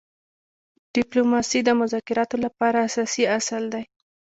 ډيپلوماسي د مذاکراتو لپاره اساسي اصل دی.